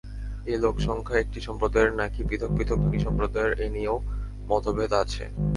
এ লোকসংখ্যা একটি সম্প্রদায়ের নাকি পৃথক পৃথক দুইটি সম্প্রদায়ের এ নিয়েও মতভেদ আছে।